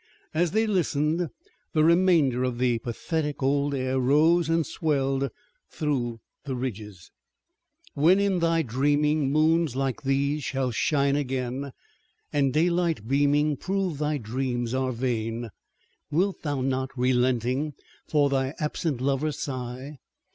As they listened the remainder of the pathetic old air rose and swelled through the ridges: When in thy dreaming, moons like these shall shine again, And daylight beaming prove thy dreams are vain, Wilt thou not, relenting, for thy absent lover sigh?